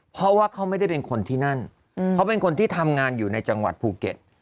เพราะว่าเขาไม่ได้เป็นคนที่นั่นเขาเป็นคนที่ทำงานอยู่ในจังหวัดภูเก็ต